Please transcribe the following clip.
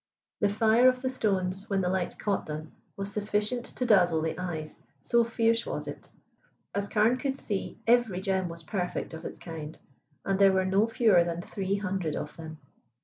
The fire of the stones when the light caught them was sufficient to dazzle the eyes, so fierce was it. As Carne could see, every gem was perfect of its kind, and there were no fewer than three hundred of them.